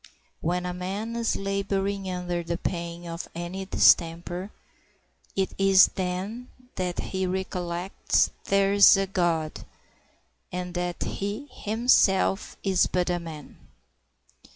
When a man is laboring under the pain of any distemper, it is then that he recollects there is a God, and that he himself is but a man.